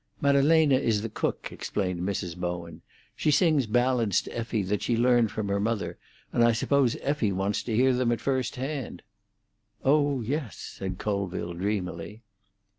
"Maddalena is the cook," explained Mrs. Bowen. "She sings ballads to Effie that she learned from her mother, and I suppose Effie wants to hear them at first hand." "Oh yes," said Colville dreamily.